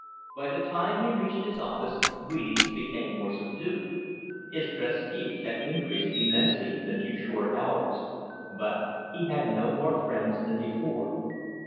By the time he reached his office, greetings became more subdued. His prestige had increased immensely in a few short hours, but he had no more friends than before.